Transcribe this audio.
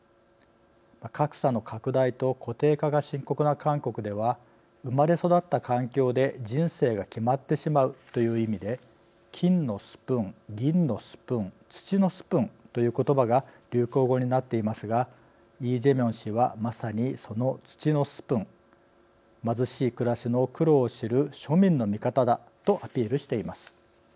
格差の拡大と固定化が深刻な韓国では生まれ育った環境で人生が決まってしまうという意味で“金のスプーン”“銀のスプーン”“土のスプーン”という言葉が流行語になっていますがイ・ジェミョン氏は、まさにその“土のスプーン”貧しい暮らしの苦労を知る庶民の味方だとアピールしています。